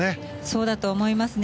そうだと思いますね。